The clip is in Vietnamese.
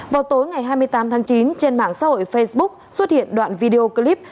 vào tối ngày hai mươi tám tháng chín trên mạng xã hội facebook xuất hiện đoạn video clip